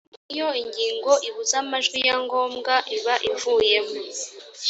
iyo ingingo ibuze amajwi ya ngombwa iba ivuyemo